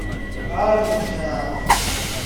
برنشست